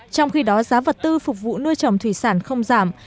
trong khi đó giá vật tư phục vụ nuôi trồng thủy sản không giảm